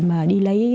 mà đi lấy hàng xe lớn